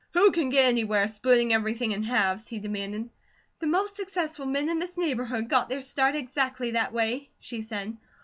"Who can get anywhere, splitting everything in halves?" he demanded. "The most successful men in this neighbourhood got their start exactly that way," she said.